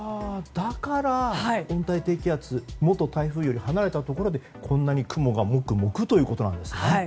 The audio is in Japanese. だから、温帯低気圧もっと台風より離れたところでこんなに雲がもくもくということなんですね。